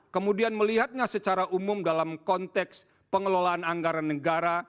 kemudian melihatnya secara umum dalam konteks pengelolaan anggaran negara